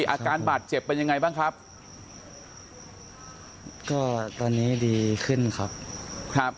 อาการบาดเจ็บเป็นยังไงบ้างครับก็ตอนนี้ดีขึ้นครับครับ